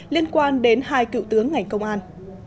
liên quan đến hai cựu tướng ngành công an